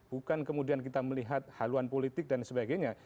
bukan kemudian kita melihat haluan politik dan sebagainya